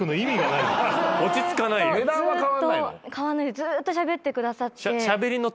ずっとしゃべってくださって。